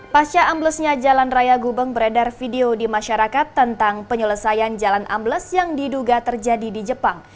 pasca amblesnya jalan raya gubeng beredar video di masyarakat tentang penyelesaian jalan ambles yang diduga terjadi di jepang